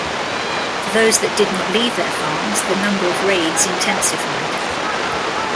For those that did not leave their farms, the number of raids intensified.